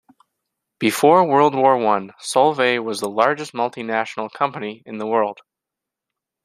Before World War One, Solvay was the largest multinational company in the world.